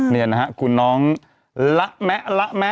นี่นะฮะคุณน้องละแมะละแมะ